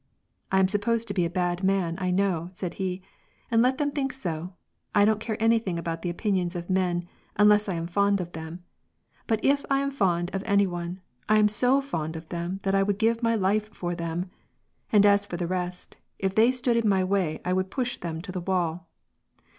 I am supposed to be a bad man, I know," said he, " and let them think so. I don't care anything about the opinions of men, unless I am fond of them ; but if I am fond of any one, I am so fond of them that I would give my life for them, and as for the rest, if they stood in my way I would push them to the wall.